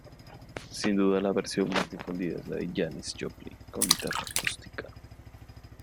Sin duda la versión más difundida es la de Janis Joplin con guitarra acústica.